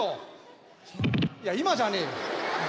いや今じゃねえよ。